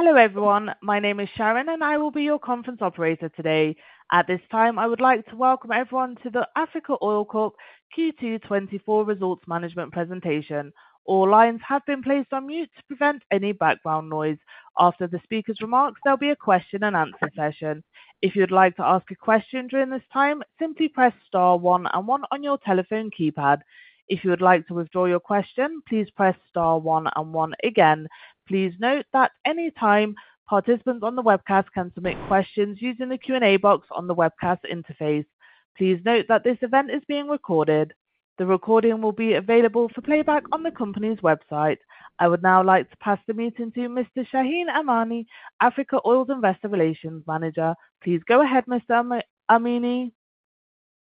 Hello everyone, my name is Sharon, and I will be your conference operator today. At this time, I would like to welcome everyone to the Africa Oil Corp Q2 2024 Results Management Presentation. All lines have been placed on mute to prevent any background noise. After the speaker's remarks, there'll be a question and answer session. If you'd like to ask a question during this time, simply press star one and one on your telephone keypad. If you would like to withdraw your question, please press star one and one again. Please note that any time participants on the webcast can submit questions using the Q&A box on the webcast interface. Please note that this event is being recorded. The recording will be available for playback on the company's website. I would now like to pass the meeting to Mr. Shahin Amini, Africa Oil's Investor Relations Manager. Please go ahead, Mr. Amini.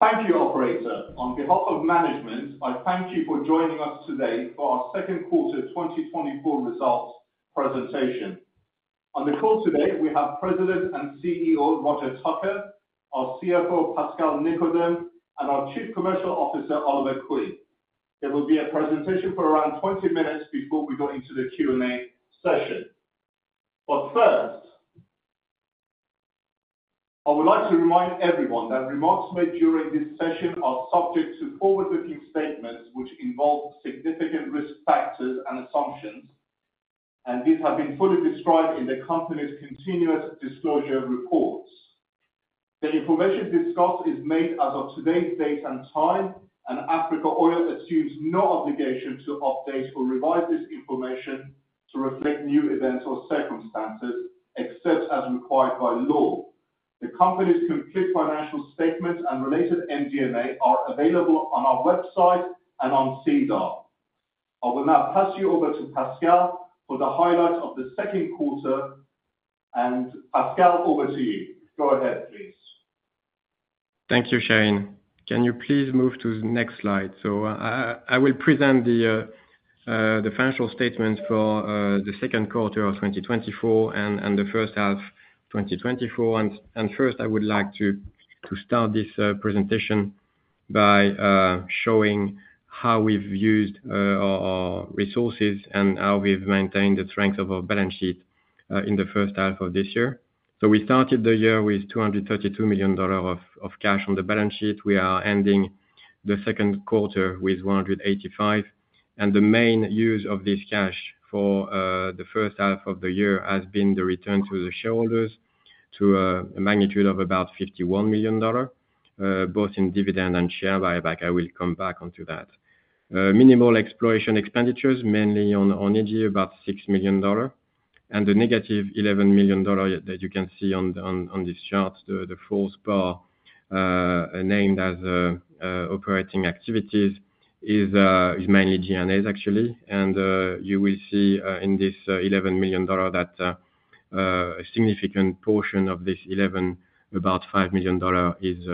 Thank you, operator. On behalf of management, I thank you for joining us today for our second quarter 2024 results presentation. On the call today, we have President and CEO, Roger Tucker, our CFO, Pascal Nicodeme, and our Chief Commercial Officer, Oliver Quinn. There will be a presentation for around 20 minutes before we go into the Q&A session. But first, I would like to remind everyone that remarks made during this session are subject to forward-looking statements, which involve significant risk factors and assumptions, and these have been fully described in the company's continuous disclosure reports. The information discussed is made as of today's date and time, and Africa Oil assumes no obligation to update or revise this information to reflect new events or circumstances, except as required by law. The company's complete financial statements and related MD&A are available on our website and on SEDAR. I will now pass you over to Pascal for the highlights of the second quarter. And Pascal, over to you. Go ahead, please. Thank you, Shahin. Can you please move to the next slide? I will present the financial statements for the second quarter of 2024 and the first half 2024. First, I would like to start this presentation by showing how we've used our resources and how we've maintained the strength of our balance sheet in the first half of this year. We started the year with $232 million of cash on the balance sheet. We are ending the second quarter with $185 million, and the main use of this cash for the first half of the year has been the return to the shareholders to a magnitude of about $51 million, both in dividend and share buyback. I will come back onto that. Minimal exploration expenditures, mainly on Egina, about $6 million, and the negative $11 million that you can see on this chart, the fourth bar named as operating activities, is mainly G&A actually. And you will see in this $11 million that a significant portion of this eleven, about $5 million is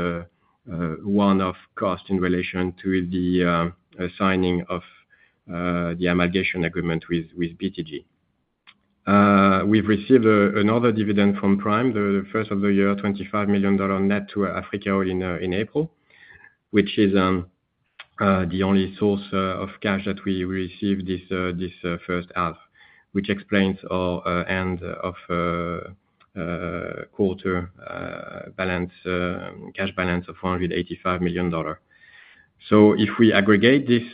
one-off cost in relation to the signing of the amalgamation agreement with BTG. We've received another dividend from Prime, the first of the year, $25 million net to Africa Oil in April, which is the only source of cash that we received this first half. Which explains our end of quarter cash balance of $485 million. So if we aggregate this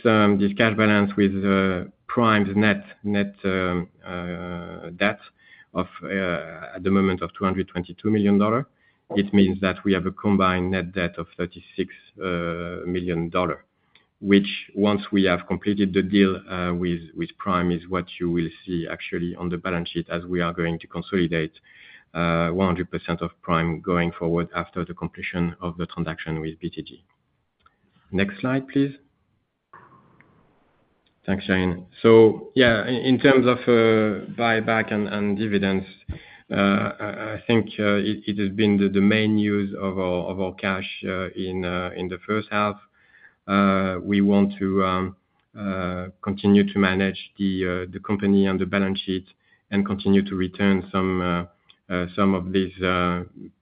cash balance with Prime's net debt of at the moment of $222 million, it means that we have a combined net debt of $36 million. Which once we have completed the deal with Prime, is what you will see actually on the balance sheet, as we are going to consolidate 100% of Prime going forward after the completion of the transaction with BTG. Next slide, please. Thanks, Shahin. So yeah, in terms of buyback and dividends, I think it has been the main use of our cash in the first half. We want to continue to manage the company and the balance sheet and continue to return some of these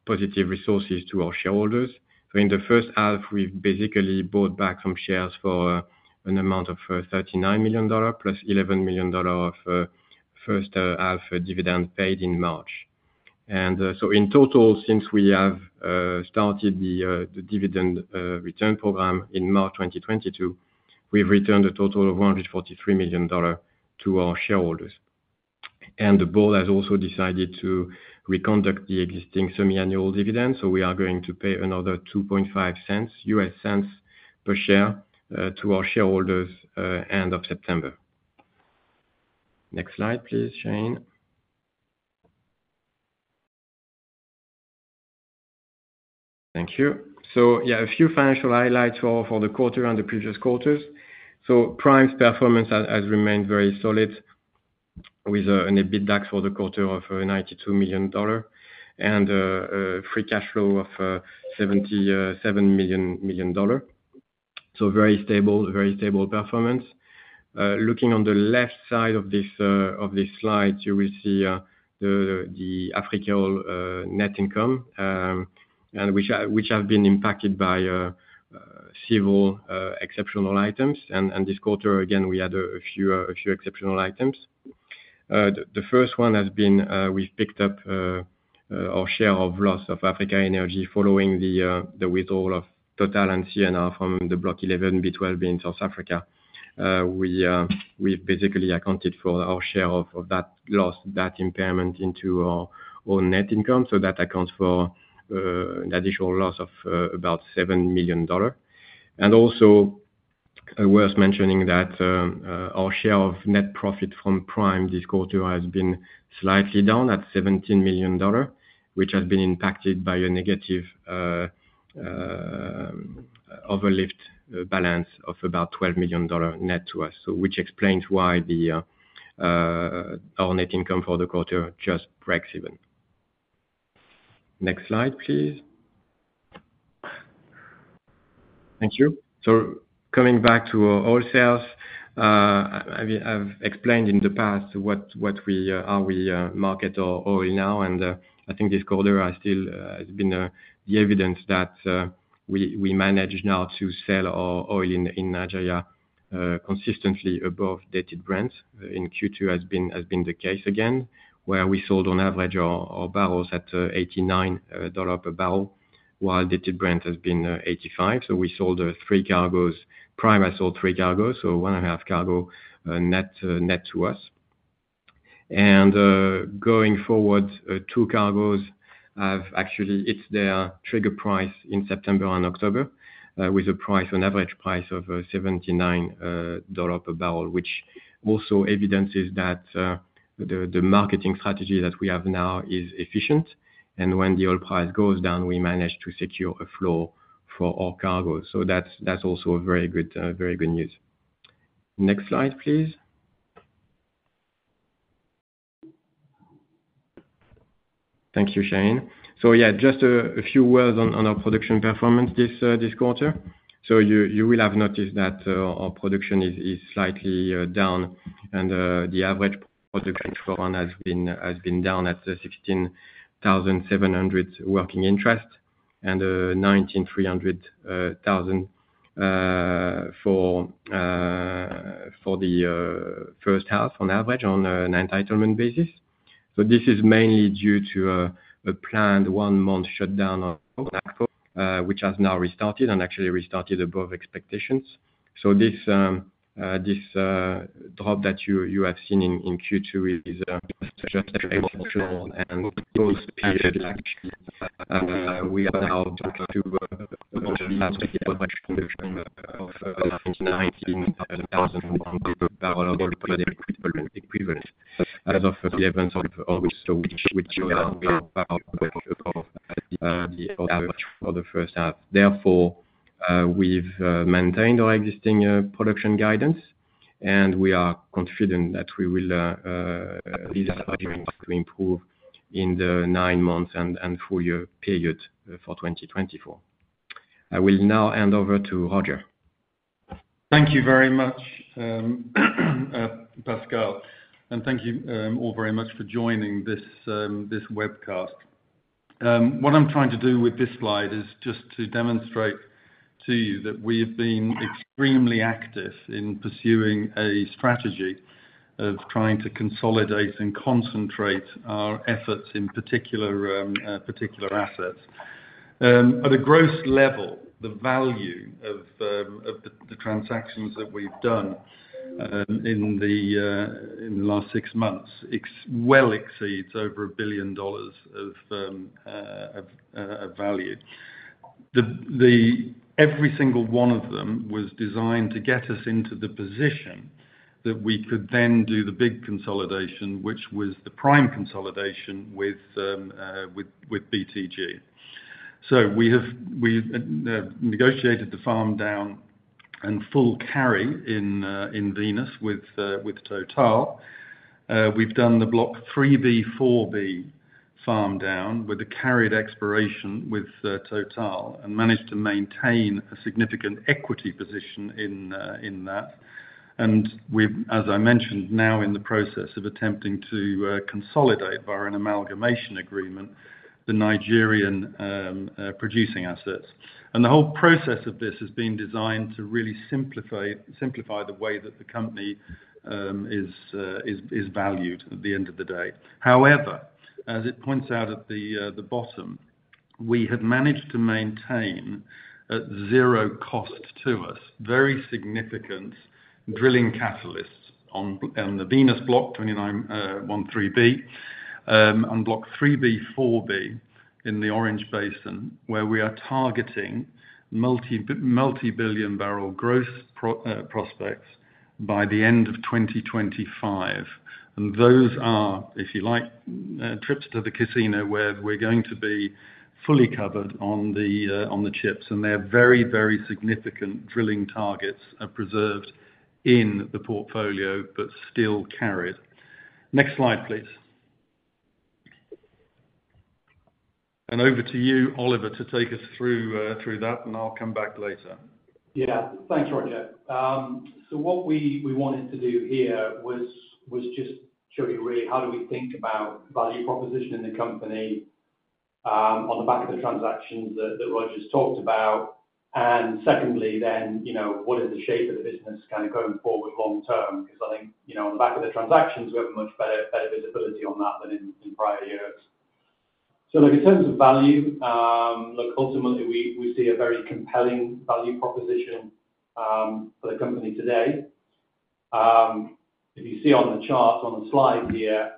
positive resources to our shareholders. So in the first half, we've basically bought back some shares for an amount of $39 million, plus $11 million of first half dividend paid in March. And so in total, since we have started the dividend return program in March 2022, we've returned a total of $143 million to our shareholders. And the board has also decided to reconduct the existing semi-annual dividend, so we are going to pay another $0.025 per share to our shareholders end of September. Next slide please, Shahin. Thank you. So yeah, a few financial highlights for the quarter and the previous quarters. So Prime's performance has remained very solid with an EBITDA for the quarter of $92 million and free cash flow of $77 million. So very stable, very stable performance. Looking on the left side of this slide, you will see the Africa Oil net income, and which have been impacted by several exceptional items. And this quarter, again, we had a few exceptional items. The first one has been, we've picked up our share of loss of Africa Energy following the withdrawal of Total and CNR from the Block 11B/12B in South Africa. We've basically accounted for our share of that loss, that impairment into our net income, so that accounts for an additional loss of about $7 million. And also, worth mentioning that our share of net profit from Prime this quarter has been slightly down at $17 million, which has been impacted by a negative overlift balance of about $12 million net to us. So which explains why our net income for the quarter just breaks even. Next slide, please. Thank you. So coming back to our oil sales, I've explained in the past how we market our oil now, and I think this quarter has still been the evidence that we manage now to sell our oil in Nigeria consistently above Dated Brent. In Q2 has been the case again, where we sold on average our barrels at $89 per barrel, while Dated Brent has been $85. So we sold 3 cargoes. Prime has sold 3 cargoes, so 1.5 cargo net to us. Going forward, 2 cargoes have actually hit their trigger price in September and October, with an average price of $79 per barrel, which also evidences that the marketing strategy that we have now is efficient. And when the oil price goes down, we manage to secure a flow for all cargoes. So that's also a very good news. Next slide, please. Thank you, Shahin. So yeah, just a few words on our production performance this quarter. You will have noticed that our production is slightly down, and the average production for one has been down at 16,700 working interest, and 19,300 for the first half on average on an entitlement basis. This is mainly due to a planned one-month shutdown of Egina, which has now restarted and actually restarted above expectations. This drop that you have seen in Q2 is just. As of the events of August, which show for the first half. Therefore, we've maintained our existing production guidance, and we are confident that we will to improve in the nine months and full year period for 2024. I will now hand over to Roger. Thank you very much, Pascal, and thank you, all very much for joining this webcast. What I'm trying to do with this slide is just to demonstrate to you that we've been extremely active in pursuing a strategy of trying to consolidate and concentrate our efforts in particular assets. At a gross level, the value of the transactions that we've done in the last six months exceeds well over $1 billion of value. Every single one of them was designed to get us into the position that we could then do the big consolidation, which was the Prime consolidation with BTG. So we've negotiated the farm down and full carry in, in Venus with, with Total. We've done the Block 3B/4B farm down with a carried exploration with Total, and managed to maintain a significant equity position in, in that. And we've, as I mentioned, now in the process of attempting to consolidate via an amalgamation agreement, the Nigerian producing assets. And the whole process of this has been designed to really simplify, simplify the way that the company is valued at the end of the day. However, as it points out at the bottom, we have managed to maintain at zero cost to us very significant drilling catalysts on the Venus Block 2913B and Block 3B/4B in the Orange Basin, where we are targeting multi-billion barrel growth prospects by the end of 2025. And those are, if you like, trips to the casino, where we're going to be fully covered on the chips, and they're very, very significant drilling targets are preserved in the portfolio, but still carried. Next slide, please. And over to you, Oliver, to take us through that, and I'll come back later. Yeah. Thanks, Roger. So what we wanted to do here was just show you really how do we think about value proposition in the company?... on the back of the transactions that Roger's talked about. And secondly, then, you know, what is the shape of the business kind of going forward long term? Because I think, you know, on the back of the transactions, we have a much better visibility on that than in prior years. So look, in terms of value, look, ultimately, we see a very compelling value proposition for the company today. If you see on the chart on the slide here,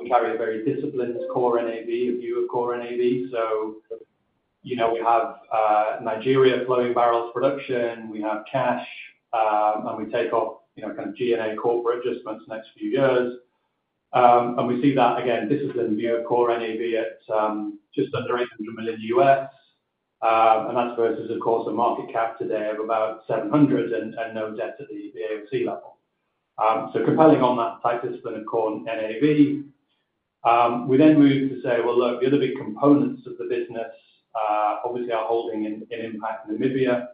we carry a very disciplined core NAV, a view of core NAV. So, you know, we have Nigeria flowing barrels production, we have cash, and we take off, you know, kind of G&A corporate adjustments the next few years. We see that again, this is a view of core NAV at just under $800 million. That's versus, of course, a market cap today of about $700 million and no debt at the AOC level. So compelling on that tight discipline of core NAV. We then move to say, well, look, the other big components of the business, obviously, our holding in Impact Namibia.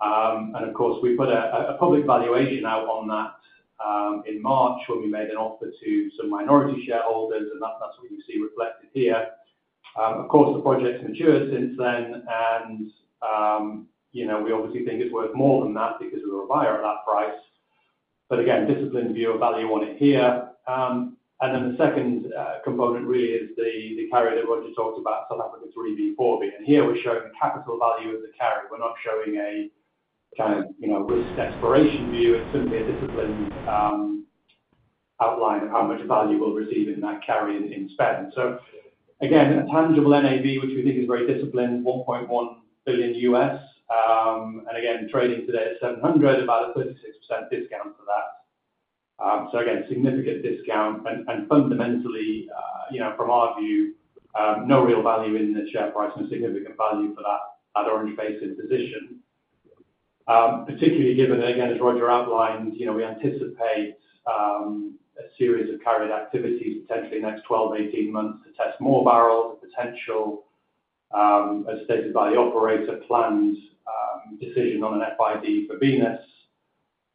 And of course, we put a public valuation out on that in March, when we made an offer to some minority shareholders, and that's what you see reflected here. Of course, the project's matured since then, and you know, we obviously think it's worth more than that because we were a buyer at that price. But again, disciplined view of value on it here. And then the second component really is the carry that Roger talked about, South Africa's 3B/4B. And here we're showing the capital value of the carry. We're not showing a kind of, you know, risk exploration view. It's simply a disciplined outline of how much value we'll receive in that carry in spend. So again, a tangible NAV, which we think is very disciplined, $1.1 billion. And again, trading today at $700 million, about a 36% discount to that. So again, significant discount. And fundamentally, you know, from our view, no real value in the share price and significant value for that at Orange Basin position. Particularly given, again, as Roger outlined, you know, we anticipate a series of carried activities, potentially in the next 12-18 months to test more barrels. The potential, as stated by the operator, plans decision on an FID for Venus.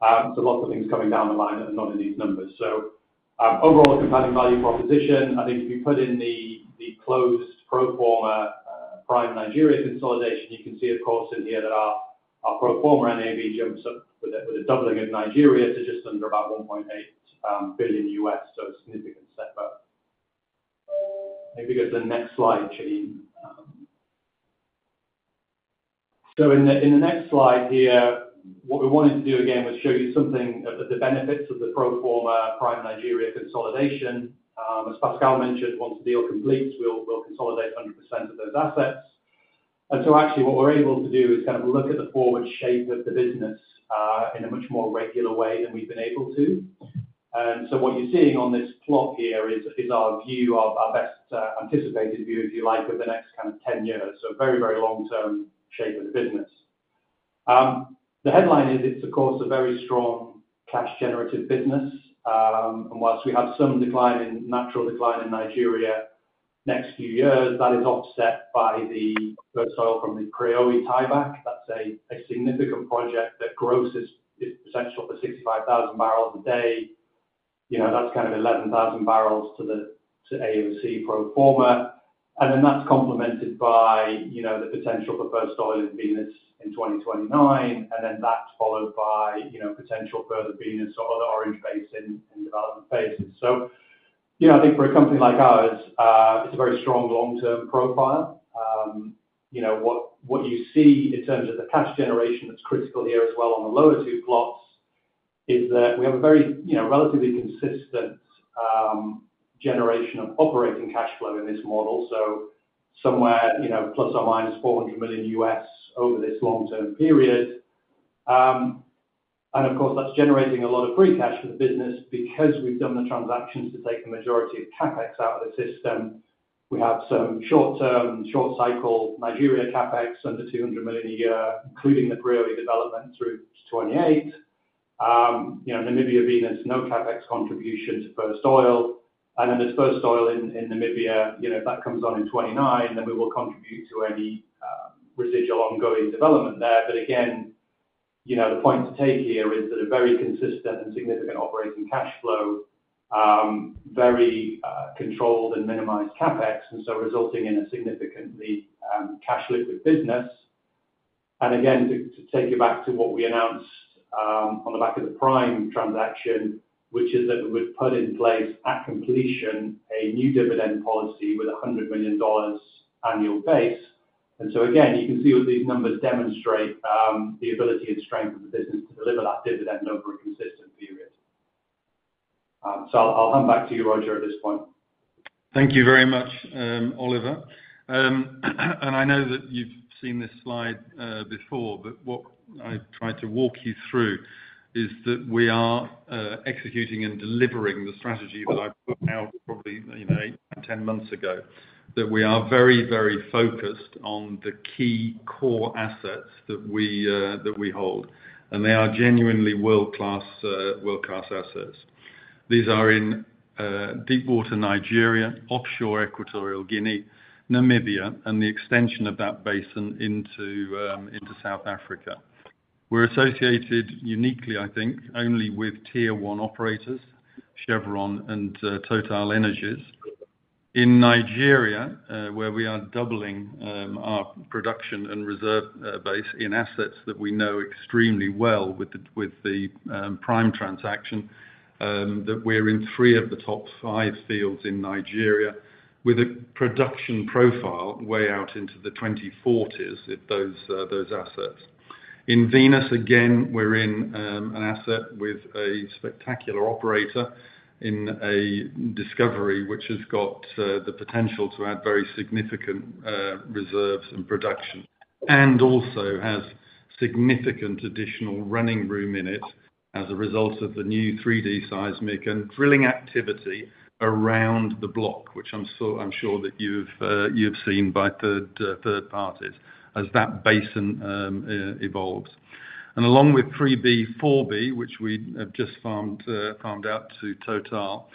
So lots of things coming down the line that are not in these numbers. So, overall compelling value proposition. I think if you put in the, the closed pro forma, Prime Nigeria consolidation, you can see, of course, in here that our, our pro forma NAV jumps up with a, with a doubling of Nigeria to just under about $1.8 billion. So a significant step up. Maybe go to the next slide, Shahin. So in the next slide here, what we wanted to do again was show you something of the benefits of the pro forma Prime Nigeria consolidation. As Pascal mentioned, once the deal completes, we'll consolidate 100% of those assets. And so actually what we're able to do is kind of look at the forward shape of the business in a much more regular way than we've been able to. And so what you're seeing on this plot here is our view of our best anticipated view, if you like, over the next kind of 10 years. So very, very long term shape of the business. The headline is, it's of course a very strong cash generative business. And while we have some decline in natural decline in Nigeria next few years, that is offset by the first oil from the Preowei tieback. That's a significant project that grosses potential for 65,000 barrels a day. You know, that's kind of 11,000 barrels to the A of C pro forma. And then that's complemented by, you know, the potential for first oil in Venus in 2029, and then that's followed by, you know, potential further Venus or other Orange Basin in development phases. So, you know, I think for a company like ours, it's a very strong long-term profile. You know, what you see in terms of the cash generation that's critical here as well on the lower two plots, is that we have a very, you know, relatively consistent, generation of operating cash flow in this model. So somewhere, you know, plus or minus $400 million over this long-term period. And of course, that's generating a lot of free cash for the business because we've done the transactions to take the majority of CapEx out of the system. We have some short-term, short cycle, Nigeria CapEx under $200 million a year, including the Preowei development through to 2028. You know, Namibia, Venus, no CapEx contribution to first oil. And then this first oil in, in Namibia, you know, if that comes on in 2029, then we will contribute to any, residual ongoing development there. But again, you know, the point to take here is that a very consistent and significant operating cash flow, very controlled and minimized CapEx, and so resulting in a significantly cash-liquid business. Again, to take you back to what we announced, on the back of the Prime transaction, which is that we would put in place at completion a new dividend policy with a $100 million annual base. So again, you can see what these numbers demonstrate, the ability and strength of the business to deliver that dividend over a consistent period. So I'll hand back to you, Roger, at this point. Thank you very much, Oliver. And I know that you've seen this slide before, but what I tried to walk you through is that we are executing and delivering the strategy that I put out probably, you know, 8, 10 months ago. That we are very, very focused on the key core assets that we that we hold, and they are genuinely world-class world-class assets. These are in deep water Nigeria, offshore Equatorial Guinea, Namibia, and the extension of that basin into into South Africa. We're associated uniquely, I think, only with Tier One operators, Chevron and TotalEnergies. In Nigeria, where we are doubling our production and reserve base in assets that we know extremely well with the Prime transaction, that we're in 3 of the top 5 fields in Nigeria with a production profile way out into the 2040s, if those assets. In Venus, again, we're in an asset with a spectacular operator in a discovery, which has got the potential to add very significant reserves and production, and also has significant additional running room in it as a result of the new 3D seismic and drilling activity around the block, which I'm sure that you've seen by third parties, as that basin evolves. Along with 3B, 4B, which we have just farmed out to Total,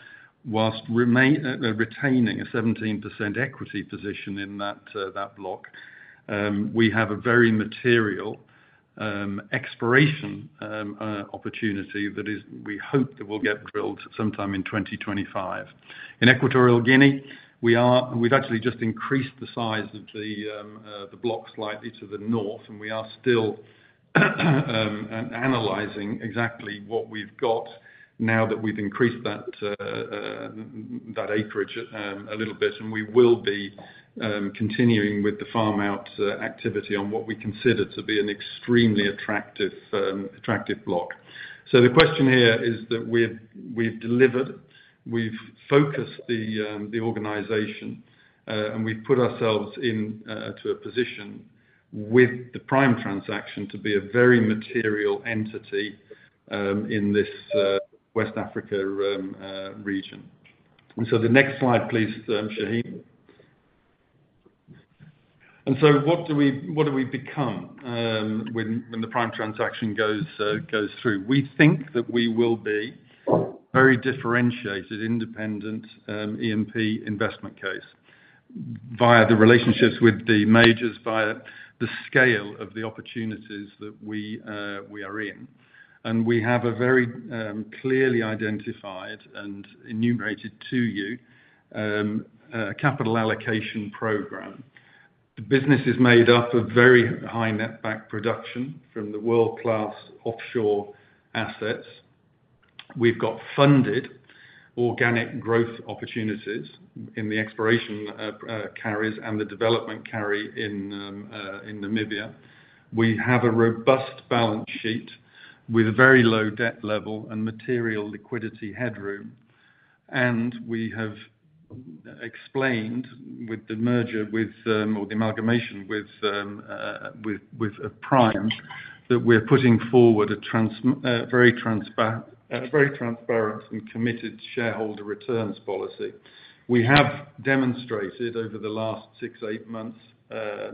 while retaining a 17% equity position in that block, we have a very material exploration opportunity that we hope will get drilled sometime in 2025. In Equatorial Guinea, we have actually just increased the size of the block slightly to the north, and we are still analyzing exactly what we've got now that we've increased that acreage a little bit, and we will be continuing with the farm out activity on what we consider to be an extremely attractive block. So the question here is that we've delivered, we've focused the organization, and we've put ourselves in to a position with the Prime transaction to be a very material entity in this West Africa region. The next slide, please, Shahin. What do we become when the Prime transaction goes through? We think that we will be very differentiated, independent E&P investment case via the relationships with the majors, via the scale of the opportunities that we are in. We have a very clearly identified and enumerated to you a capital allocation program. The business is made up of very high netback production from the world-class offshore assets. We've got funded organic growth opportunities in the exploration, carries and the development carry in Namibia. We have a robust balance sheet with a very low debt level and material liquidity headroom. And we have explained with the merger with, or the amalgamation with, Prime, that we're putting forward a very transparent and committed shareholder returns policy. We have demonstrated over the last 6-8 months, a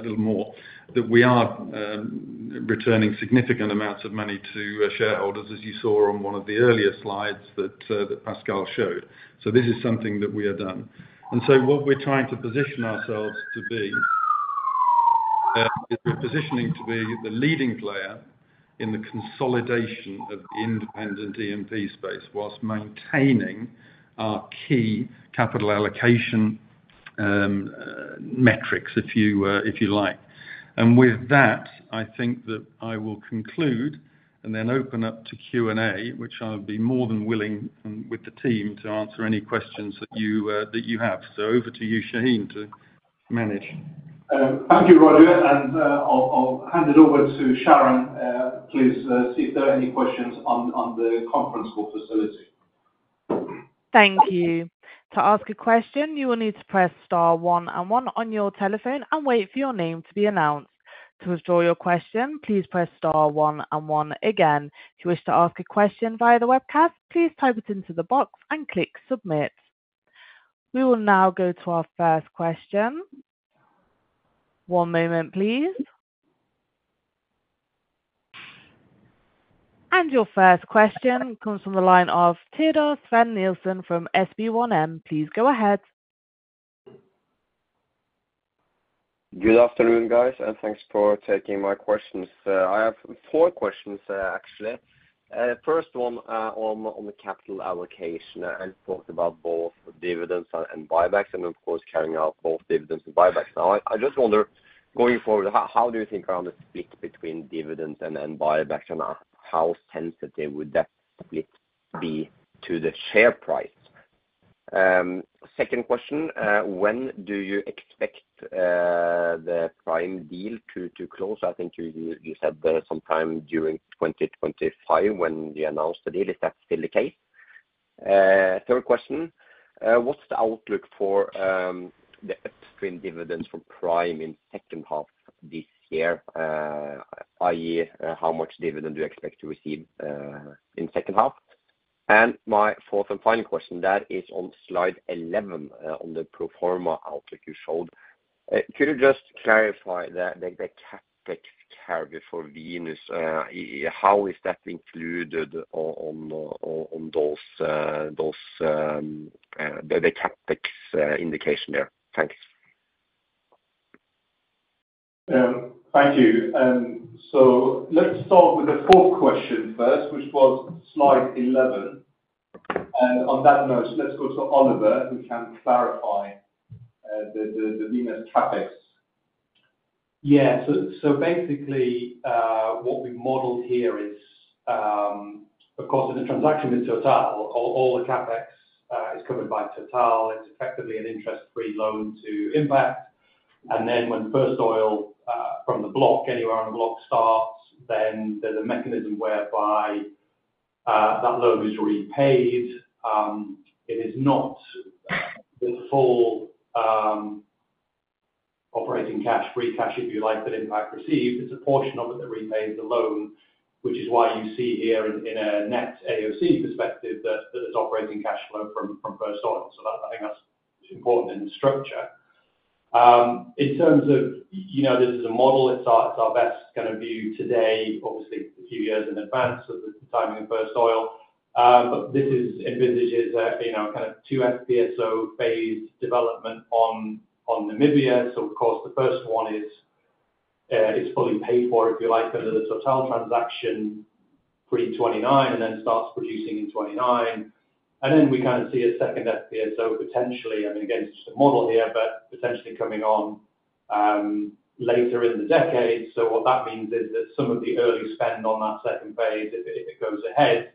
little more, that we are returning significant amounts of money to our shareholders, as you saw on one of the earlier slides that Pascal showed. So this is something that we have done. And so what we're trying to position ourselves to be is we're positioning to be the leading player in the consolidation of the independent E&P space while maintaining our key capital allocation metrics, if you like. And with that, I think that I will conclude and then open up to Q&A, which I'll be more than willing, with the team, to answer any questions that you have. So over to you, Shahin, to manage. Thank you, Roger, and I'll hand it over to Sharon. Please see if there are any questions on the conference call facility. Thank you. To ask a question, you will need to press star one and one on your telephone and wait for your name to be announced. To withdraw your question, please press star one and one again. If you wish to ask a question via the webcast, please type it into the box and click Submit. We will now go to our first question. One moment, please. And your first question comes from the line of Teodor Sveen-Nilsen from SB1M. Please go ahead. Good afternoon, guys, and thanks for taking my questions. I have four questions, actually. First one, on the capital allocation. I talked about both dividends and buybacks, and of course, carrying out both dividends and buybacks. Now, I just wonder, going forward, how do you think around the split between dividends and buybacks, and how sensitive would that split be to the share price? Second question, when do you expect the Prime deal to close? I think you said sometime during 2025 when you announced the deal. Is that still the case? Third question, what's the outlook for the interim dividends from Prime in second half this year? i.e., how much dividend do you expect to receive in second half? My fourth and final question, that is on slide 11, on the pro forma outlook you showed. Could you just clarify the CapEx carry for Venus? How is that included on those, the CapEx indication there? Thanks.... Thank you. So let's start with the fourth question first, which was slide 11. And on that note, let's go to Oliver, who can clarify the Venus CapEx. Yeah. So, basically, what we modeled here is, of course, in the transaction with Total, all the CapEx is covered by Total. It's effectively an interest-free loan to Impact. And then when first oil from the block, anywhere on the block starts, then there's a mechanism whereby that loan is repaid. It is not the full operating cash, free cash, if you like, that Impact receives. It's a portion of it that repays the loan, which is why you see here in a net AOC perspective, that is operating cash flow from first oil. So that, I think that's important in the structure. In terms of, you know, this is a model. It's our best kind of view today, obviously, a few years in advance of the timing of first oil. But this is envisages a, you know, kind of two FPSO phase development on, on Namibia. So of course, the first one is, is fully paid for, if you like, under the Total transaction, pre-2029, and then starts producing in 2029. And then we kind of see a second FPSO, potentially, I mean, again, it's just a model here, but potentially coming on, later in the decade. So what that means is that some of the early spend on that second phase, if it goes ahead,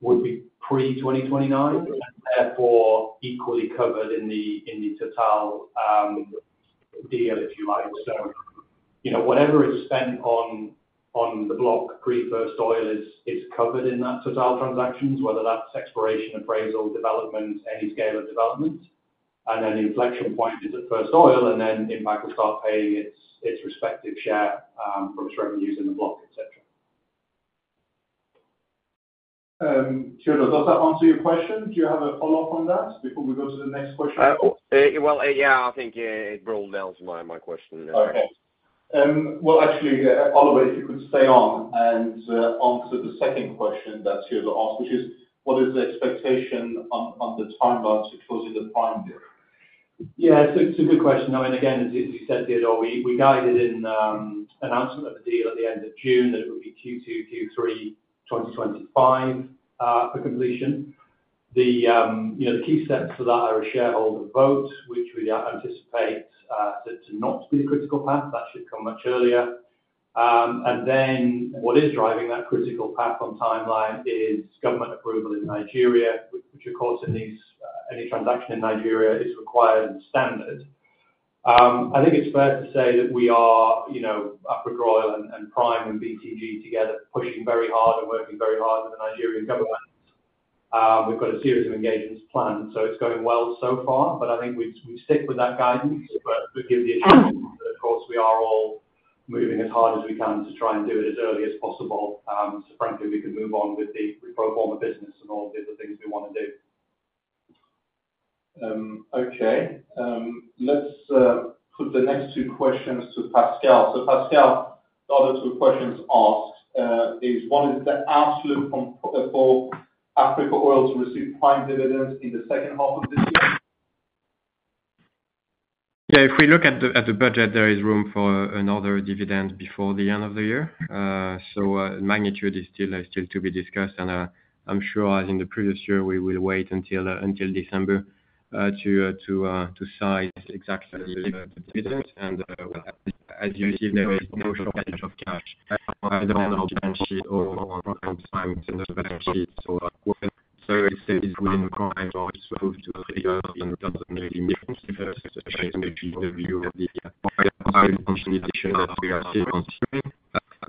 would be pre-2029, and therefore equally covered in the, in the Total, deal, if you like. So, you know, whatever is spent on, on the block pre-first oil is, is covered in that Total transactions, whether that's exploration, appraisal, development, any scale of development. The inflection point is at first oil, and then Impact will start paying its respective share from its revenues in the block, et cetera. Teodor, does that answer your question? Do you have a follow-up on that before we go to the next question? Well, yeah, I think it boiled down to my question. Okay. Well, actually, Oliver, if you could stay on and answer the second question that Teodor asked, which is: What is the expectation on the timeline to closing the Prime deal? Yeah, it's a, it's a good question. I mean, again, as you, you said, Teodor, we, we guided in announcement of the deal at the end of June, that it would be Q2, Q3 2025 for completion. The, you know, the key steps for that are a shareholder vote, which we anticipate to not be a critical path. That should come much earlier. And then what is driving that critical path on timeline is government approval in Nigeria, which of course, in these any transaction in Nigeria is required and standard. I think it's fair to say that we are, you know, Africa Oil and Prime and BTG together, pushing very hard and working very hard with the Nigerian government. We've got a series of engagements planned, so it's going well so far, but I think we stick with that guidance, but we give the assurance that of course, we are all moving as hard as we can to try and do it as early as possible, so frankly, we can move on with the pro forma business and all the other things we want to do. Okay. Let's put the next two questions to Pascal. So Pascal, the other two questions asked is: What is the absolute con for Africa Oil to receive Prime dividends in the second half of this year? Yeah, if we look at the budget, there is room for another dividend before the end of the year. So, magnitude is still to be discussed, and I'm sure as in the previous year, we will wait until December to size exactly the dividend. And, as you see, there is no shortage of cash on our balance sheet or on Prime's balance sheet. So, it's within Prime or to figure in terms of making differences, especially maybe the view of the continuation that we are still considering.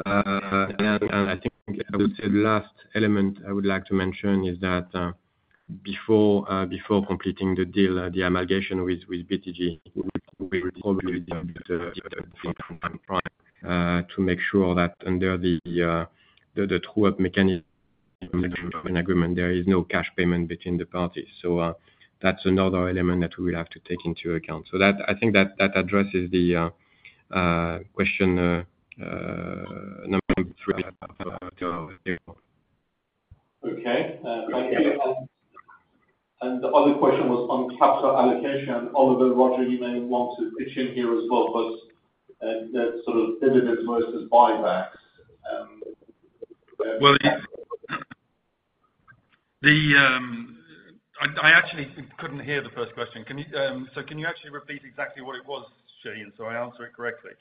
And I think I would say the last element I would like to mention is that, before completing the deal, the amalgamation with BTG, we probably do the diligence from Prime, to make sure that under the true up mechanism agreement, there is no cash payment between the parties. So, that's another element that we will have to take into account. So that, I think that addresses the question, number three. Okay. And the other question was on capital allocation. Oliver, Roger, you may want to pitch in here as well, but that sort of dividends versus buybacks, Well, I actually couldn't hear the first question. So, can you actually repeat exactly what it was, Shahin, so I answer it correctly?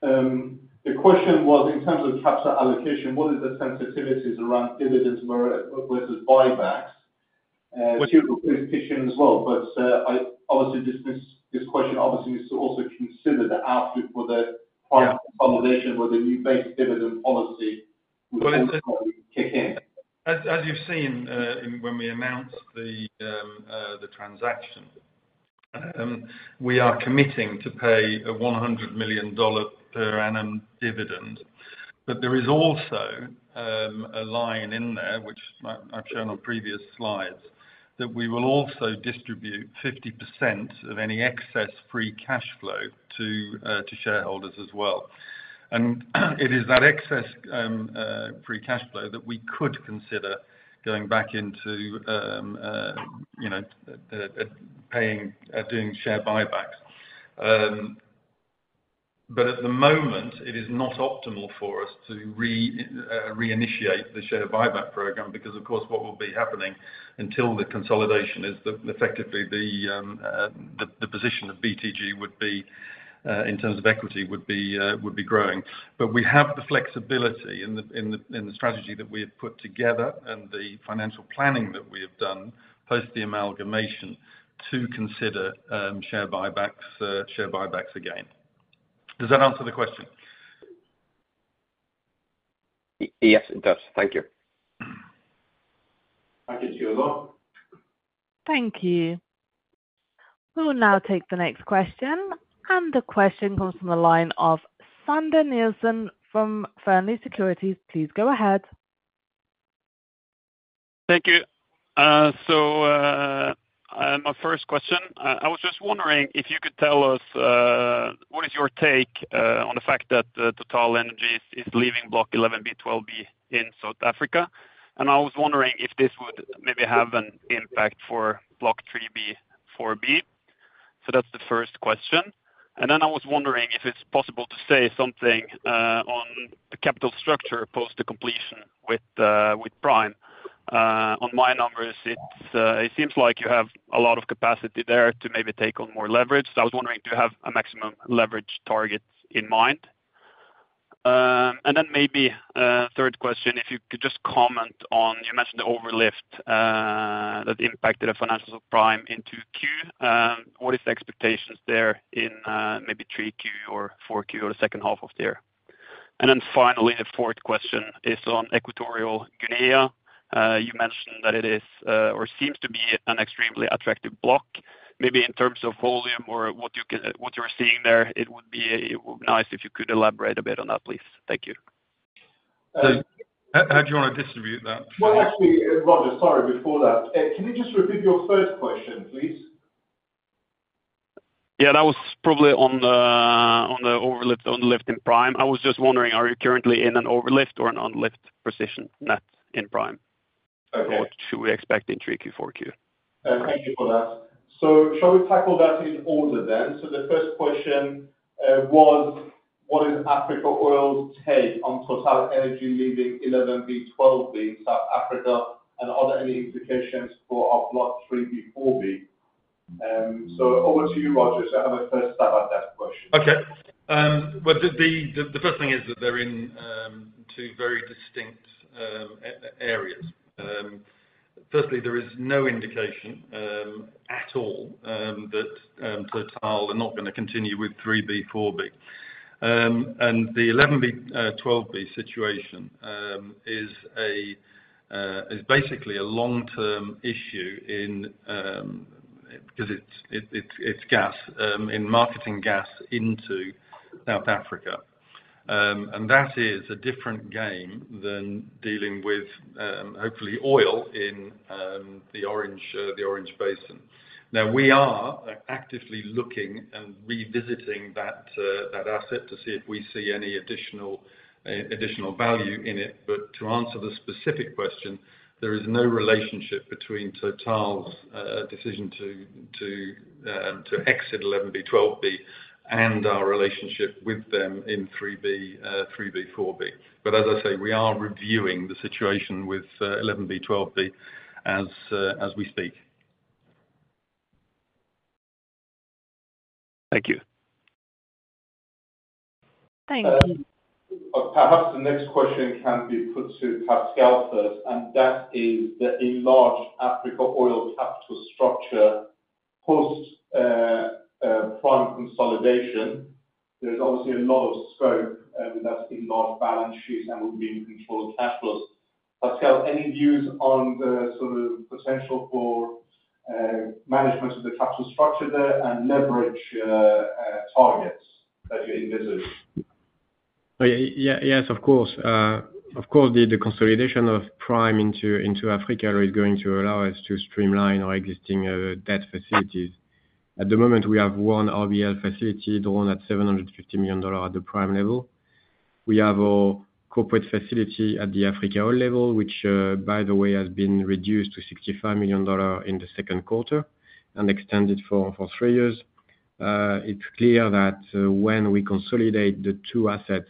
The question was, in terms of capital allocation, what is the sensitivities around dividends versus buybacks? Two as well, but, I obviously, this question obviously is to also consider the outlook for the prime consolidation with the new base dividend policy, which is going to kick in. As you've seen, in when we announced the transaction, we are committing to pay a $100 million per annum dividend. But there is also a line in there, which I, I've shown on previous slides, that we will also distribute 50% of any excess free cash flow to shareholders as well. And it is that excess free cash flow that we could consider going back into, you know, paying, doing share buybacks. But at the moment, it is not optimal for us to reinitiate the share buyback program because, of course, what will be happening until the consolidation is the, effectively the, the position of BTG would be, in terms of equity, would be growing. But we have the flexibility in the strategy that we have put together and the financial planning that we have done, post the amalgamation, to consider share buybacks, share buybacks again. Does that answer the question? Yes, it does. Thank you. Thank you, Hugo. Thank you. We'll now take the next question, and the question comes from the line of Sander Nilsen from Fearnley Securities. Please go ahead. Thank you. So, my first question. I was just wondering if you could tell us what is your take on the fact that TotalEnergies is leaving Block 11B/12B in South Africa? And I was wondering if this would maybe have an impact for Block 3B/4B. So that's the first question. And then I was wondering if it's possible to say something on the capital structure post the completion with Prime. On my numbers, it seems like you have a lot of capacity there to maybe take on more leverage. So I was wondering, do you have a maximum leverage target in mind? And then maybe, a third question, if you could just comment on, you mentioned the overlift that impacted the financials of Prime into Q. What is the expectations there in maybe Q3 or Q4, or the second half of the year? And then finally, the fourth question is on Equatorial Guinea. You mentioned that it is or seems to be an extremely attractive block, maybe in terms of volume or what you can, what you're seeing there, it would be nice if you could elaborate a bit on that, please. Thank you. So how do you want to distribute that? Well, actually, Roger, sorry, before that, can you just repeat your first question, please? Yeah, that was probably on the overlift, underlift in Prime. I was just wondering, are you currently in an overlift or an underlift position net in Prime? Okay. Or what should we expect in 3Q, 4Q? Thank you for that. So shall we tackle that in order then? So the first question was, what is Africa Oil's take on TotalEnergies leaving 11B/12B in South Africa, and are there any implications for our Block 3B/4B? So over to you, Roger, to have a first stab at that question. Okay. Well, the first thing is that they're in two very distinct areas. Firstly, there is no indication at all that Total are not going to continue with 3B, 4B. And the 11B, 12B situation is basically a long-term issue in... 'cause it's gas in marketing gas into South Africa. And that is a different game than dealing with, hopefully, oil in the Orange Basin. Now, we are actively looking and revisiting that asset to see if we see any additional value in it. But to answer the specific question, there is no relationship between Total's decision to exit 11B, 12B, and our relationship with them in 3B, 4B. As I say, we are reviewing the situation with 11B, 12B, as we speak. Thank you. Thank you. Perhaps the next question can be put to Pascal first, and that is the enlarged Africa Oil capital structure post Prime consolidation. There's obviously a lot of scope, and that's in large balance sheets and will be in controlled capitals. Pascal, any views on the sort of potential for management of the capital structure there and leverage targets that you envision? Yeah, yes, of course. Of course, the consolidation of Prime into Africa is going to allow us to streamline our existing debt facilities. At the moment, we have one RBL facility, the one at $750 million at the Prime level. We have our corporate facility at the Africa Oil level, which, by the way, has been reduced to $65 million in the second quarter and extended for 3 years. It's clear that when we consolidate the two assets,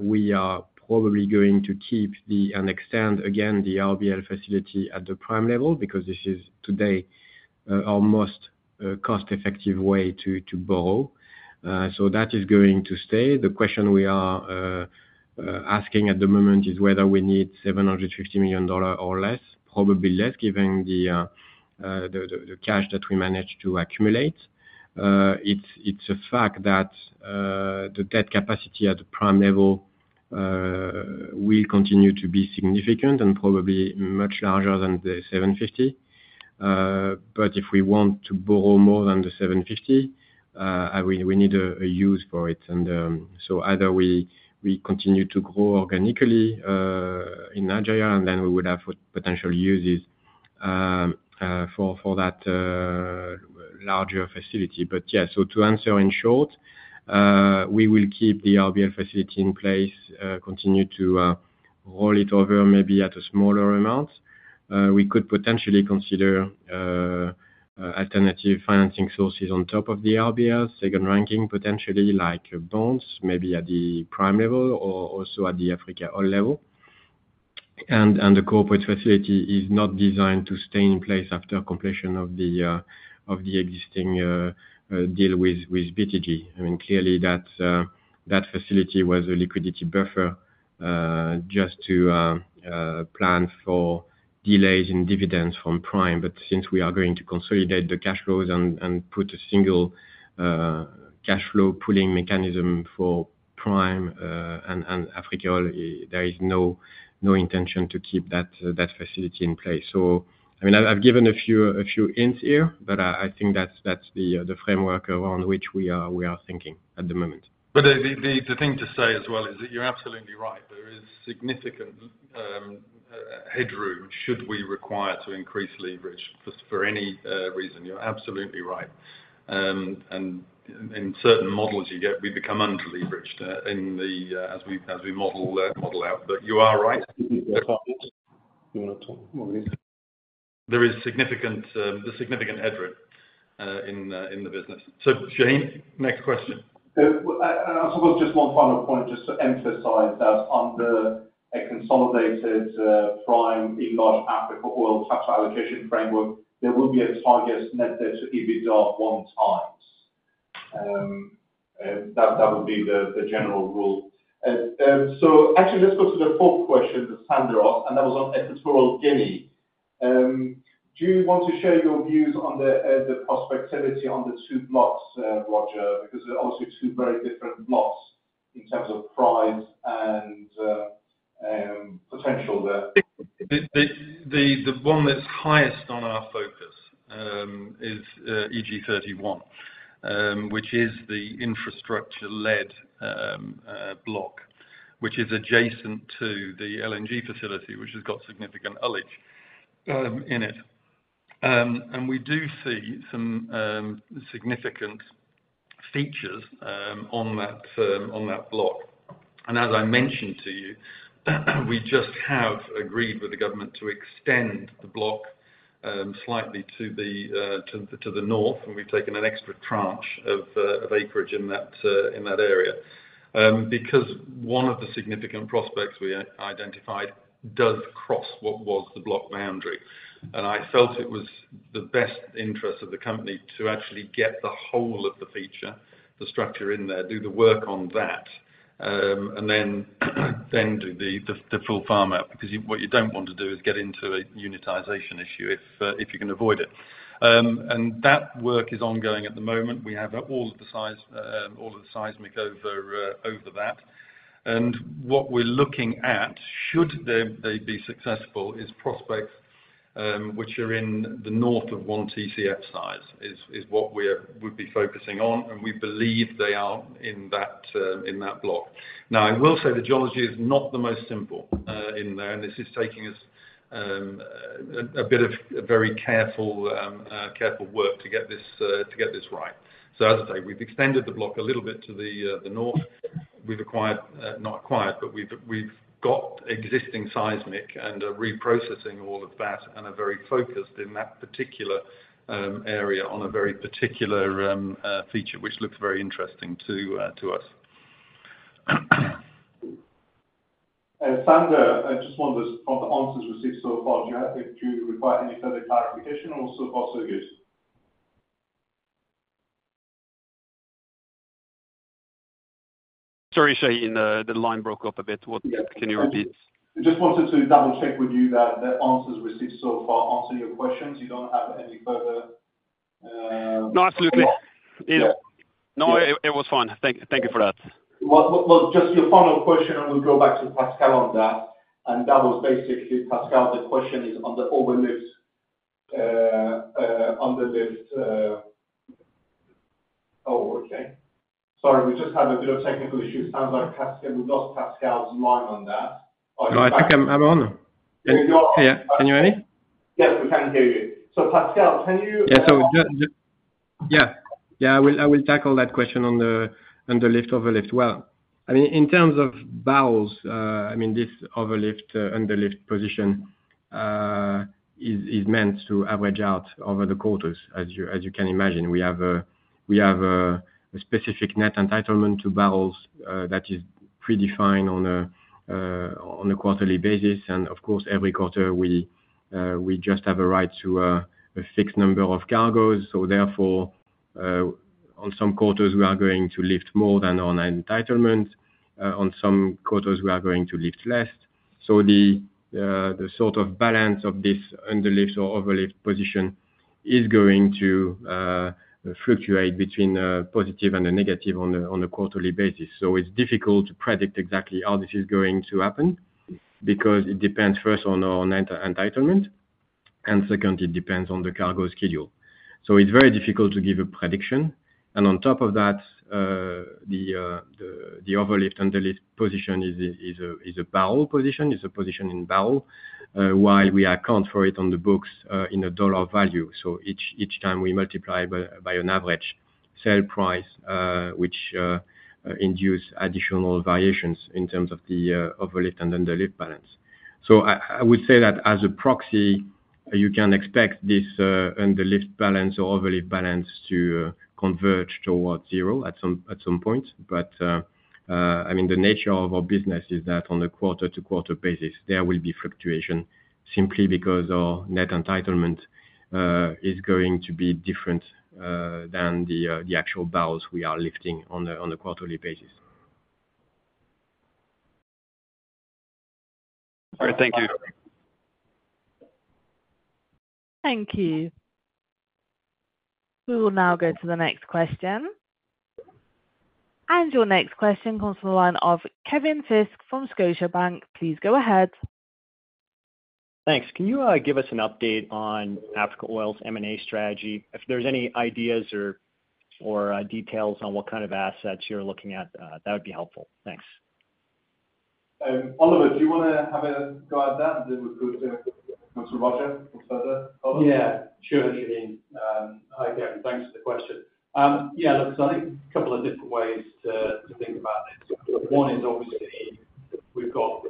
we are probably going to keep and extend again the RBL facility at the Prime level, because this is today our most cost-effective way to borrow. So that is going to stay. The question we are asking at the moment is whether we need $750 million or less, probably less, given the cash that we managed to accumulate. It's a fact that the debt capacity at the Prime level will continue to be significant and probably much larger than the $750. But if we want to borrow more than the $750, we need a use for it. And so either we continue to grow organically in Nigeria, and then we would have potential uses for that larger facility. But yeah, so to answer in short, we will keep the RBL facility in place, continue to roll it over maybe at a smaller amount. We could potentially consider alternative financing sources on top of the RBL, second ranking, potentially like bonds, maybe at the Prime level or also at the Africa Oil level. The corporate facility is not designed to stay in place after completion of the existing deal with BTG. I mean, clearly that facility was a liquidity buffer just to plan for delays in dividends from Prime. But since we are going to consolidate the cash flows and put a single cash flow pooling mechanism for Prime and Africa Oil, there is no intention to keep that facility in place. So, I mean, I've given a few hints here, but I think that's the framework around which we are thinking at the moment. But the thing to say as well is that you're absolutely right. There is significant headroom should we require to increase leverage for any reason. You're absolutely right. And in certain models you get we become underleveraged in the as we model out. But you are right. You wanna talk more? There is significant, there's significant headroom in the business. So, Shahin, next question. Well, I suppose just one final point, just to emphasize that under a consolidated Prime enlarged Africa Oil tax allocation framework, there will be a target net debt to EBITDA 1x. That would be the general rule. So actually, let's go to the fourth question that Sander asked, and that was on Equatorial Guinea. Do you want to share your views on the prospectivity on the two blocks, Roger? Because they're obviously two very different blocks in terms of price and potential there. The one that's highest on our focus is EG-31, which is the infrastructure-led block, which is adjacent to the LNG facility, which has got significant oil and gas in it. And we do see some significant features on that block. And as I mentioned to you, we just have agreed with the government to extend the block slightly to the north, and we've taken an extra tranche of acreage in that area. Because one of the significant prospects we identified does cross what was the block boundary. And I felt it was the best interest of the company to actually get the whole of the feature, the structure in there, do the work on that, and then do the full farm-out. Because you, what you don't want to do is get into a unitization issue, if you can avoid it. And that work is ongoing at the moment. We have all of the size, all of the seismic over that. And what we're looking at, should they be successful, is prospects which are in the north of 1 TCF size, is what we'd be focusing on, and we believe they are in that block. Now, I will say the geology is not the most simple in there, and this is taking us a bit of very careful work to get this right. So as I say, we've extended the block a little bit to the north. We've acquired, not acquired, but we've got existing seismic and are reprocessing all of that, and are very focused in that particular area on a very particular feature, which looks very interesting to us. Sander, I just wonder if the answers received so far, do you have, do you require any further clarification, or so far so good? Sorry, Shahin, the line broke up a bit. What... Can you repeat? I just wanted to double-check with you that the answers received so far answer your questions. You don't have any further, No, absolutely. Yeah. No, it was fine. Thank you for that. Well, well, well, just your final question, and we'll go back to Pascal on that. And that was basically, Pascal, the question is on the overlift, underlift. Oh, okay. Sorry, we just had a bit of technical issue. It sounds like Pascal, we lost Pascal's line on that. No, I think I'm on. You're on. Yeah. Can you hear me? Yes, we can hear you. So Pascal, can you- Yeah. Yeah, I will tackle that question on the lift, overlift well. I mean, in terms of barrels, I mean, this overlift, underlift position is meant to average out over the quarters, as you can imagine. We have a specific net entitlement to barrels that is predefined on a quarterly basis. And of course, every quarter we just have a right to a fixed number of cargoes. So therefore, on some quarters we are going to lift more than on our entitlement, on some quarters we are going to lift less. So the sort of balance of this underlift or overlift position is going to fluctuate between a positive and a negative on a quarterly basis. So it's difficult to predict exactly how this is going to happen, because it depends first on our entitlement, and second, it depends on the cargo schedule. So it's very difficult to give a prediction. And on top of that, the overlift/underlift position is a barrel position. It's a position in barrel, while we account for it on the books, in a dollar value. So each time we multiply by an average sale price, which induce additional variations in terms of the overlift and underlift balance. So I would say that as a proxy, you can expect this underlift balance or overlift balance to converge towards zero at some point. But, I mean, the nature of our business is that on a quarter-to-quarter basis, there will be fluctuation simply because our net entitlement is going to be different than the actual barrels we are lifting on a quarterly basis. All right, thank you. Thank you. We will now go to the next question. Your next question comes from the line of Kevin Fisk from Scotiabank. Please go ahead. Thanks. Can you give us an update on Africa Oil's M&A strategy? If there's any ideas or details on what kind of assets you're looking at, that would be helpful. Thanks. Oliver, do you want to have a go at that, and then we'll go to Mr. Roger for further? Oliver. Yeah, sure, Shahin. Hi, Kevin. Thanks for the question. Yeah, look, so I think a couple of different ways to think about this. One is obviously we've got,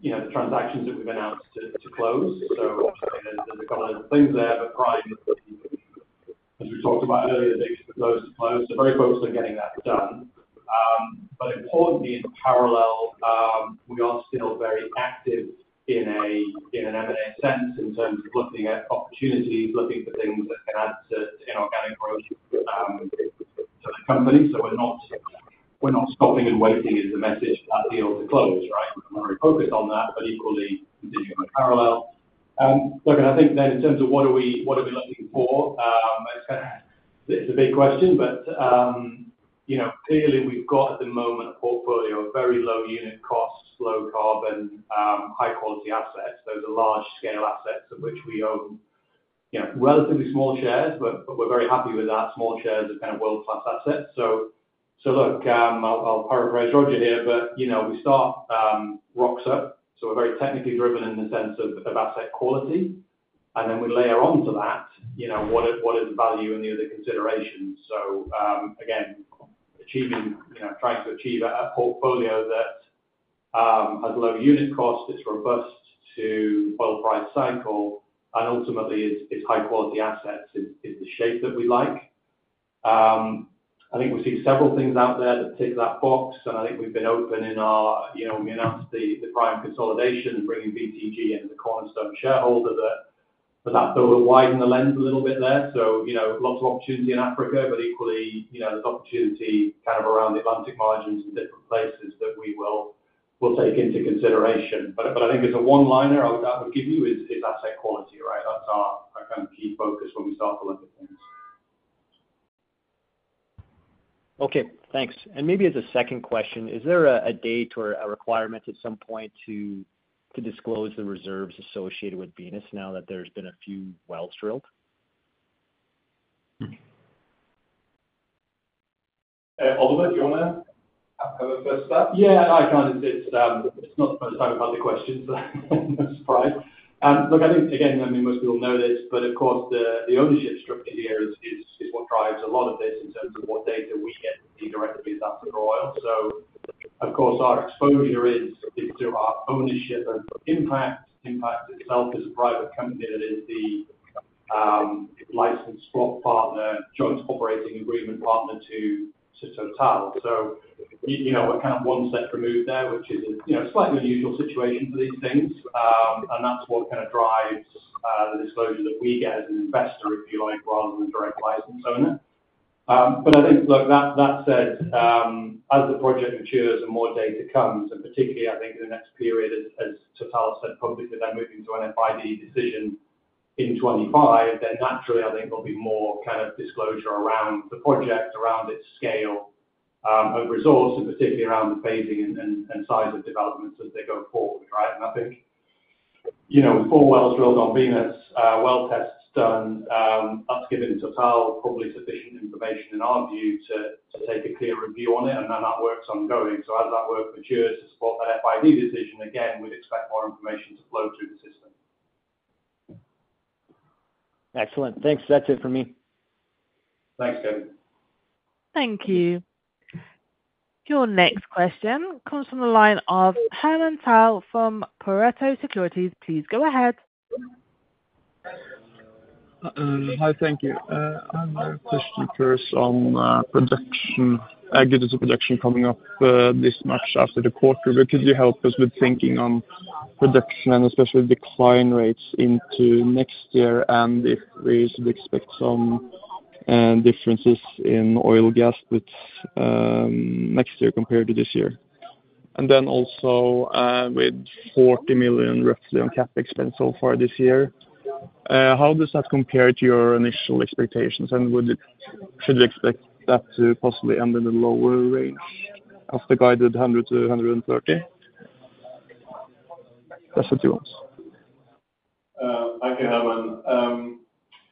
you know, the transactions that we've announced to close. So there's a couple of things there, but Prime, as we talked about earlier, they close to close, so very focused on getting that done. But importantly, in parallel, we are still very active in an M&A sense, in terms of looking at opportunities, looking for things that can add to inorganic growth, to the company. So we're not, we're not stopping and waiting is the message for that deal to close, right? We're very focused on that, but equally continuing to parallel. Look, and I think then in terms of what are we, what are we looking for, it's a big question, but, you know, clearly we've got at the moment, a portfolio of very low unit costs, low carbon, high quality assets. Those are large-scale assets of which we own, you know, relatively small shares, but, but we're very happy with that. Small shares are kind of world-class assets. So, look, I'll paraphrase Roger here, but, you know, we start, rocks up, so we're very technically driven in the sense of asset quality. And then we layer onto that, you know, what is, what is the value and the other considerations. So, again, achieving, you know, trying to achieve a portfolio that has low unit cost, is robust to oil price cycle, and ultimately is high quality assets is the shape that we like. I think we've seen several things out there that tick that box, and I think we've been open in our, you know, we announced the Prime consolidation, bringing BTG into the cornerstone shareholder that, but that will widen the lens a little bit there. So, you know, lots of opportunity in Africa, but equally, you know, there's opportunity kind of around the Atlantic margins and different places that we will take into consideration. But I think as a one liner I would give you is asset quality, right? That's our kind of key focus when we start to look at things. Okay, thanks. Maybe as a second question, is there a date or a requirement at some point to disclose the reserves associated with Venus now that there's been a few wells drilled? Oliver, do you want to have a first stab? Yeah, I can. It's not the first time I've had the question, so no surprise. Look, I think, again, I mean, most people know this, but of course, the ownership structure here is what drives a lot of this in terms of what data we get directly as Africa Oil. So of course, our exposure is through our ownership and Impact. Impact itself is a private company that is the licensed spot partner, joint operating agreement partner to Total. So, you know, we're kind of one step removed there, which is a, you know, slightly unusual situation for these things. And that's what kind of drives the disclosure that we get as an investor, if you like, rather than the direct license owner. But I think, look, that said, as the project matures and more data comes, and particularly I think in the next period, as Total said publicly, they're moving to an FID decision in 25, then naturally, I think there'll be more kind of disclosure around the project, around its scale, of resource, and particularly around the phasing and size of developments as they go forward, right? And I think, you know, four wells drilled on Venus, well tests done, that's given Total probably sufficient information in our view, to take a clear review on it, and then that work's ongoing. So as that work matures to support the FID decision, again, we'd expect more information to flow through the system. Excellent. Thanks. That's it for me. Thanks, Kevin. Thank you. Your next question comes from the line of Herman Dahl from Pareto Securities. Please go ahead. Hi. Thank you. I have a question first on production, Agbami production coming up this month after the quarter. But could you help us with thinking on production, especially decline rates into next year, and if we expect some differences in oil gas with next year compared to this year? And then also, with roughly $40 million on CapEx spend so far this year, how does that compare to your initial expectations, and should we expect that to possibly end in a lower range of the guided $100-$130 million? That's the two ones. Thank you, Herman.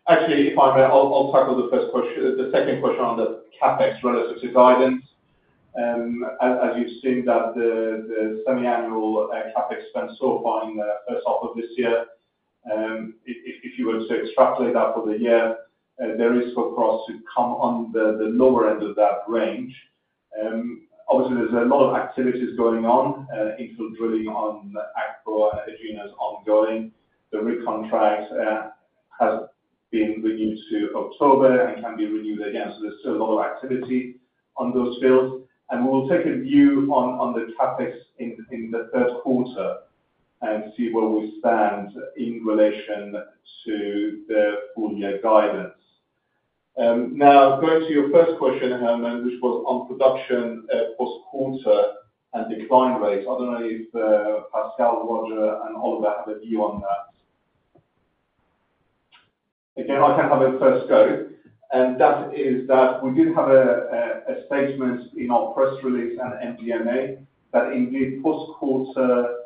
Actually, if I may, I'll tackle the first question, the second question on the CapEx relative to guidance.... As you've seen that the semiannual CapEx spend so far in the first half of this year, if you were to extrapolate that for the year, there is for us to come on the lower end of that range. Obviously there's a lot of activities going on, infill drilling on Akpo and Agbami is ongoing. The rig contract has been renewed to October and can be renewed again. So there's still a lot of activity on those fields, and we'll take a view on the CapEx in the first quarter and see where we stand in relation to the full year guidance. Now going to your first question, Herman, which was on production, post-quarter and decline rates. I don't know if Pascal, Roger, and Oliver have a view on that. Again, I can have a first go, and that is that we did have a, a statement in our press release and MD&A, that indeed first quarter,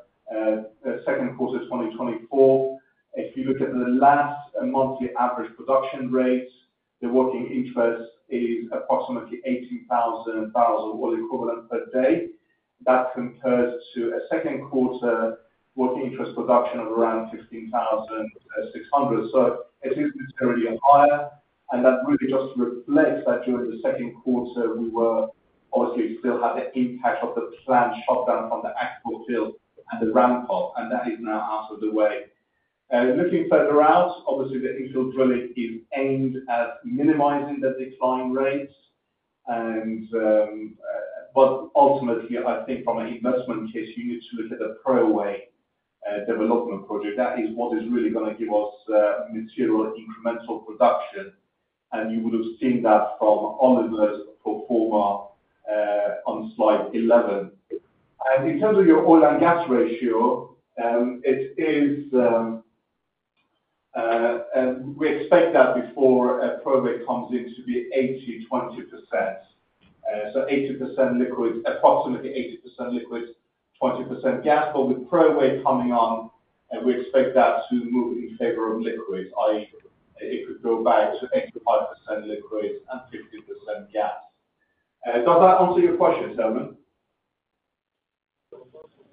second quarter 2024, if you look at the last monthly average production rates, the working interest is approximately 80,000 barrels of oil equivalent per day. That compares to a second quarter working interest production of around 15,600. So it is materially higher, and that really just reflects that during the second quarter, we were obviously still had the impact of the planned shutdown on the Akpo field and the ramp up, and that is now out of the way. Looking further out, obviously the infill drilling is aimed at minimizing the decline rates and, but ultimately, I think from an investment case, you need to look at the Preowei, development project. That is what is really going to give us, material incremental production, and you would have seen that from Oliver's pro forma, on slide 11. And in terms of your oil and gas ratio, it is... We expect that before Preowei comes in to be 80/20%. So 80% liquid, approximately 80% liquid, 20% gas, but with Preowei coming on, and we expect that to move in favor of liquids, i.e. it could go back to 85% liquids and 50% gas. Does that answer your question, Herman?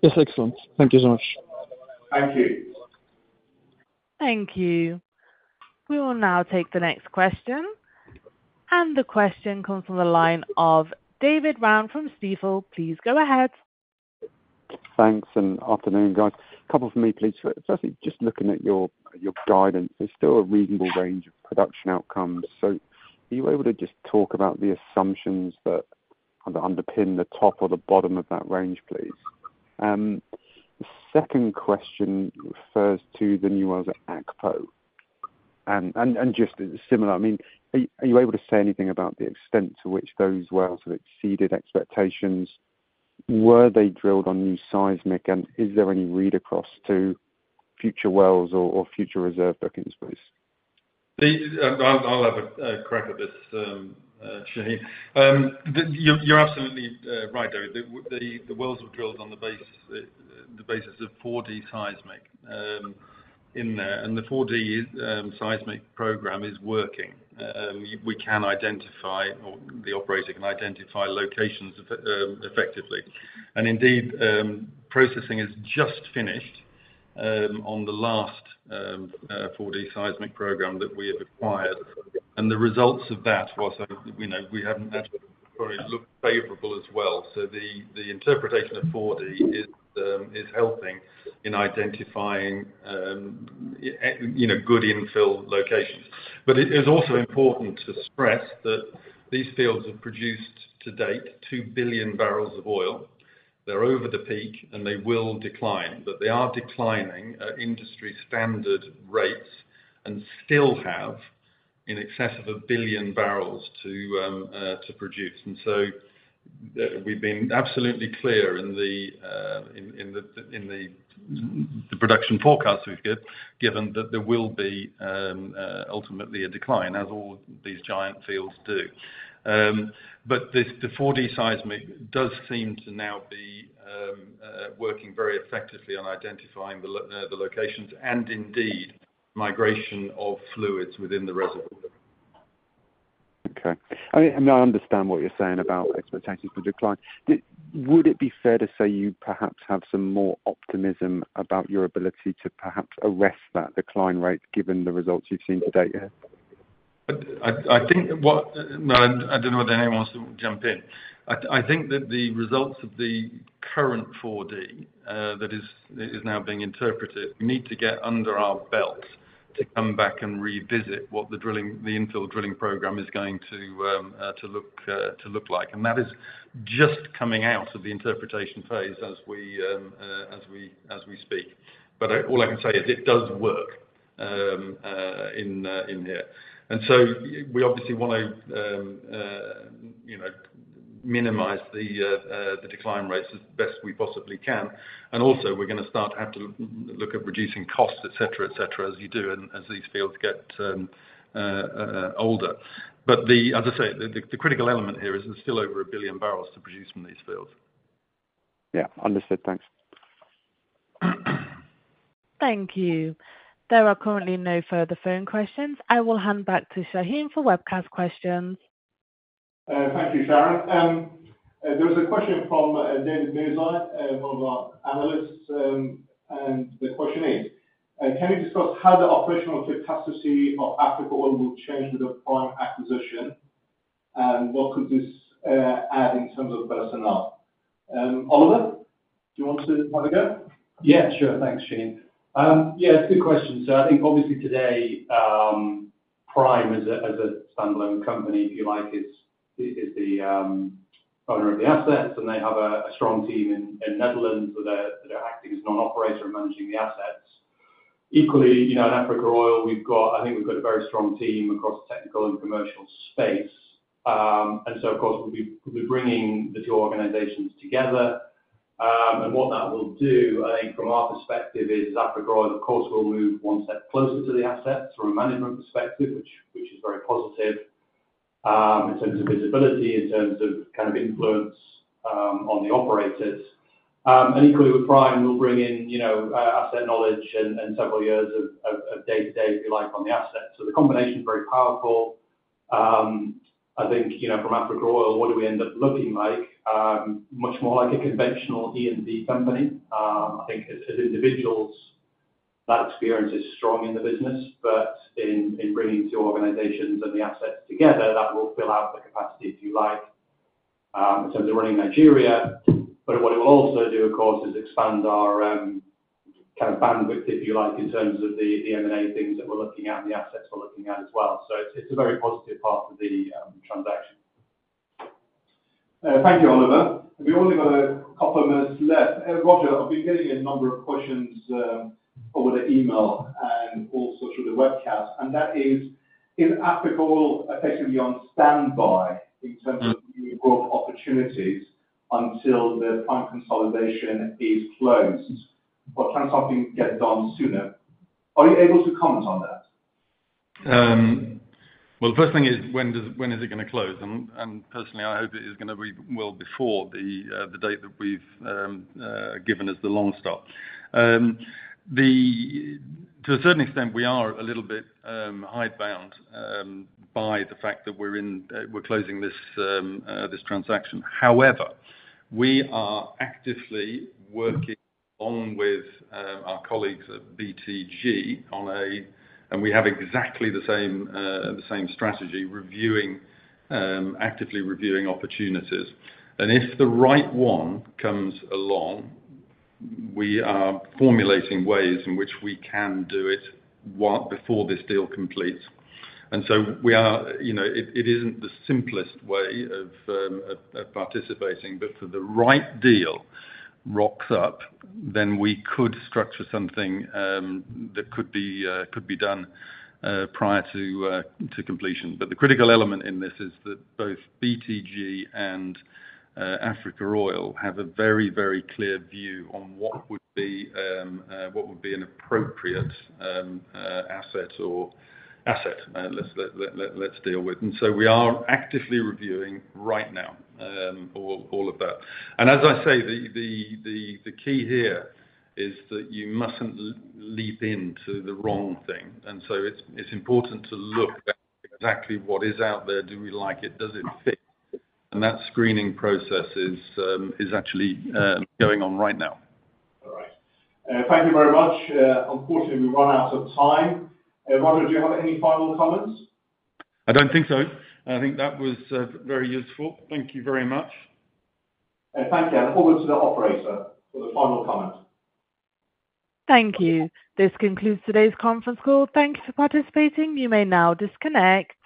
Yes. Excellent. Thank you so much. Thank you. Thank you. We will now take the next question, and the question comes from the line of David Round from Stifel. Please go ahead. Thanks, and afternoon, guys. A couple from me, please. Firstly, just looking at your guidance, there's still a reasonable range of production outcomes, so are you able to just talk about the assumptions that underpin the top or the bottom of that range, please? The second question refers to the new wells at Akpo. And just similar, I mean, are you able to say anything about the extent to which those wells have exceeded expectations? Were they drilled on new seismic, and is there any read across to future wells or future reserve bookings, please? I'll have a crack at this, Shahin. You're absolutely right, David. The wells were drilled on the basis of 4D seismic in there, and the 4D seismic program is working. We can identify, or the operator can identify locations effectively. And indeed, processing has just finished on the last 4D seismic program that we have acquired. And the results of that was, you know, we haven't had look favorable as well. So the interpretation of 4D is helping in identifying, you know, good infill locations. But it is also important to stress that these fields have produced to date 2 billion barrels of oil. They're over the peak, and they will decline, but they are declining at industry standard rates and still have in excess of 1 billion barrels to produce. And so we've been absolutely clear in the production forecast we've given, that there will be ultimately a decline, as all these giant fields do. But this, the 4D seismic does seem to now be working very effectively on identifying the locations and indeed migration of fluids within the reservoir. Okay. I mean, I understand what you're saying about expectations for decline. Would it be fair to say you perhaps have some more optimism about your ability to perhaps arrest that decline rate given the results you've seen to date here? I think what... Well, I don't know whether anyone wants to jump in. I think that the results of the current 4D, that is now being interpreted, need to get under our belt to come back and revisit what the drilling, the infill drilling program is going to to look like. And that is just coming out of the interpretation phase as we speak. But I, all I can say is it does work in here. And so we obviously want to, you know, minimize the decline rates as best we possibly can. And also, we're going to start to have to look at reducing costs, et cetera, et cetera, as you do as these fields get older. But as I say, the critical element here is there's still over 1 billion barrels to produce from these fields. Yeah. Understood. Thanks.... Thank you. There are currently no further phone questions. I will hand back to Shahin for webcast questions. Thank you, Sharon. There was a question from David Guidi, one of our analysts, and the question is: Can you discuss how the operational capacity of Africa Oil will change with the Prime acquisition, and what could this add in terms of personnel? Oliver, do you want to have a go? Yeah, sure. Thanks, Shahin. Yeah, it's a good question. So I think obviously today, Prime as a standalone company, if you like, is the owner of the assets, and they have a strong team in Netherlands, where they're acting as non-operator and managing the assets. Equally, you know, in Africa Oil, we've got—I think we've got a very strong team across the technical and commercial space. And so, of course, we'll be bringing the two organizations together. And what that will do, I think from our perspective, is Africa Oil, of course, will move one step closer to the assets from a management perspective, which is very positive, in terms of visibility, in terms of kind of influence, on the operators. And equally with Prime, we'll bring in, you know, asset knowledge and several years of day-to-day, if you like, on the asset. So the combination is very powerful. I think, you know, from Africa Oil, what do we end up looking like? Much more like a conventional E&P company. I think as individuals, that experience is strong in the business, but in bringing two organizations and the assets together, that will fill out the capacity, if you like, in terms of running Nigeria. But what it will also do, of course, is expand our kind of bandwidth, if you like, in terms of the M&A things that we're looking at and the assets we're looking at as well. So it's a very positive part of the transaction. Thank you, Oliver. We've only got a couple of minutes left. Roger, I've been getting a number of questions over the email and also through the webcast, and that is, is Africa Oil effectively on standby in terms of growth opportunities until the Prime consolidation is closed? What kind of something gets done sooner? Are you able to comment on that? Well, the first thing is, when is it going to close? And personally, I hope it is going to be well before the date that we've given as the long stop. To a certain extent, we are a little bit hidebound by the fact that we're closing this transaction. However, we are actively working along with our colleagues at BTG on a - and we have exactly the same strategy, actively reviewing opportunities. And if the right one comes along, we are formulating ways in which we can do it while before this deal completes. We are, you know, it isn't the simplest way of participating, but if the right deal rocks up, then we could structure something that could be done prior to completion. But the critical element in this is that both BTG and Africa Oil have a very, very clear view on what would be an appropriate asset. Let's deal with. We are actively reviewing right now all of that. As I say, the key here is that you mustn't leap into the wrong thing, and so it's important to look at exactly what is out there. Do we like it? Does it fit? That screening process is actually going on right now. All right. Thank you very much. Unfortunately, we've run out of time. Roger, do you have any final comments? I don't think so. I think that was very useful. Thank you very much. Thank you. I look forward to the operator for the final comment. Thank you. This concludes today's conference call. Thank you for participating. You may now disconnect.